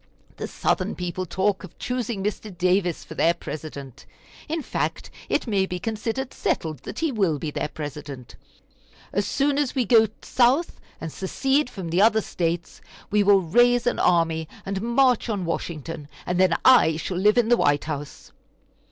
The Southern people talk of choosing Mr. Davis for their President. In fact, it may be considered settled that he will be their President. As soon as we go South and secede from the other States, we will raise an army and march on Washington, and then I shall live in the White House."